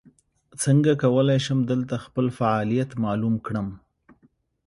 څنګه کولی شم دلته خپل فعالیت معلوم کړم ؟